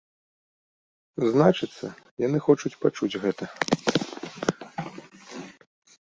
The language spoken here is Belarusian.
Значыцца, яны хочуць пачуць гэта.